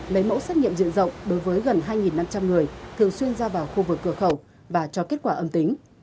lấy mẫu xét nghiệm diện rộng đối với gần hai năm trăm linh người thường xuyên ra vào khu vực cửa khẩu và cho kết quả âm tính